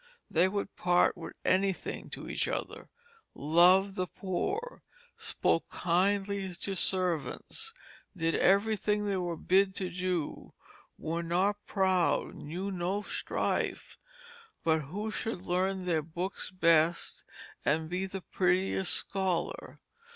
They would part with any Thing to each other, loved the Poor, spoke kindly to Servants, did every Thing they were bid to do, were not proud, knew no Strife, but who should learn their Books best, and be the prettiest Scholar.